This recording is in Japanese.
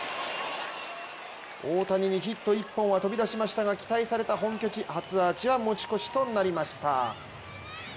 大谷にヒット１本は飛び出しましたが期待された本拠地初アーチは持ち越しとなりました。